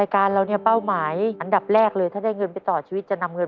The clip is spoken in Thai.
เขาได้๓๔๕